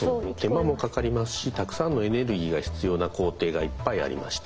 手間もかかりますしたくさんのエネルギーが必要な工程がいっぱいありまして。